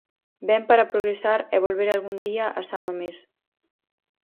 Ven para progresar e volver algún día a San Mamés.